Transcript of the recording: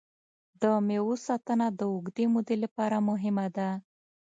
د مېوو ساتنه د اوږدې مودې لپاره مهمه ده.